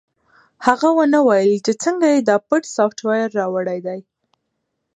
هغه ونه ویل چې څنګه یې دا پټ سافټویر راوړی دی